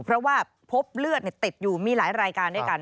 เพราะว่าพบเลือดติดอยู่มีหลายรายการด้วยกัน